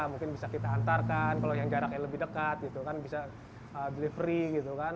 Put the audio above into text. mungkin bisa kita antarkan kalau jaraknya lebih dekat bisa beli free